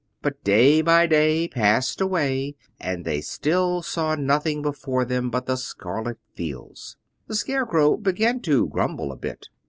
But day by day passed away, and they still saw nothing before them but the scarlet fields. The Scarecrow began to grumble a bit.